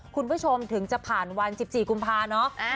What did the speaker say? คุณผู้ชมถึงจะผ่านวัน๑๔กุมภาเนาะ